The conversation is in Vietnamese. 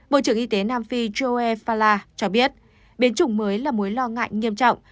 bộ trưởng y tế nam phi joe fala cho biết biến chủng mới là mối lo ngại nghiêm trọng